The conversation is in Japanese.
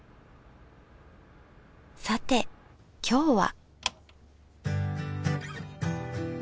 さて今日は？